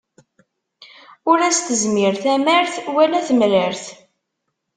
Ur as-tezmir tamart, wala temrart.